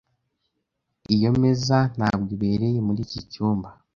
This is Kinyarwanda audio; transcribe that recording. Iyo meza ntabwo ibereye muri iki cyumba.